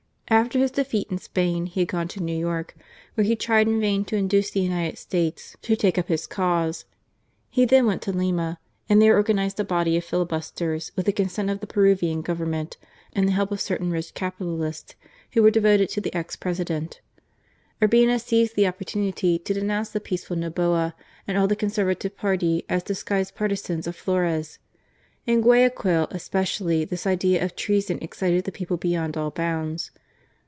After his defeat in Spain, he had gone to New York, where he tried in vain to induce the United States to take up his cause. He then went to Lima and there organized a body of filHbusters with the consent of the Peruvian Government and the help of certain rich capitalists who were devoted to the ex President. Urbina seized the opportunity to denounce the peaceful Noboa and all the Conservative party as disguised partisans of Flores. In Guayaquil especially this idea of treason excited the people beyond all bounds.